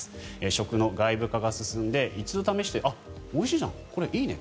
食の外部化が進んで一度試してあっ、おいしいじゃんこれ、いいね